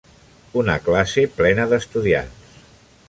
Una classe plena d'estudiants.